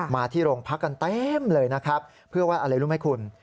มาที่โรงพักกันเต็มเลยนะครับเพื่อว่าอะไรรู้ไหมคุณ